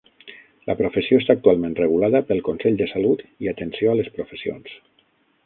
La professió està actualment regulada pel consell de salut i atenció a les professions.